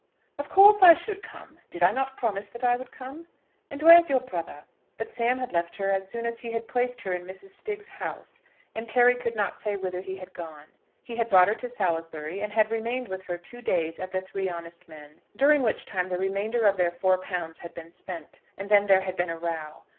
"Of course I should come. Did I not promise that I would come? And where is your brother?" But Sam had left her as soon as he had placed her in Mrs. Stiggs's house, and Carry could not say whither he had gone. He had brought her to Salisbury, and had remained with her two days at the Three Honest Men, during which time the remainder of their four pounds had been spent; and then there had been a row.